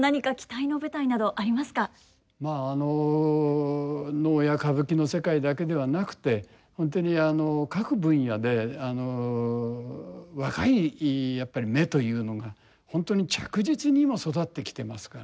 まああの能や歌舞伎の世界だけではなくて本当に各分野で若いやっぱり芽というのが本当に着実に今育ってきてますから。